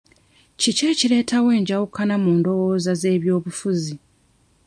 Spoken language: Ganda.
Kiki ekireetawo enjawukana mu ndowooza z'ebyobufuzi?